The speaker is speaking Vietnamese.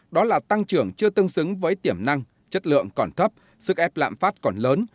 đó là tăng trưởng chưa tương xứng với tiểm năng chất lượng còn thấp sức ép lạm phát còn lớn